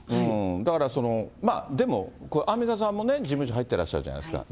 だから、まあでも、アンミカさんもね、事務所入ってらっしゃるじゃないですか。